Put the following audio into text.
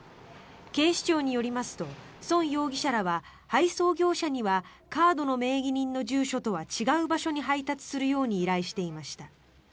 警視庁によりますとソン容疑者らは配送業者にはカードの名義人の住所とは違う場所に配達するように依頼していました。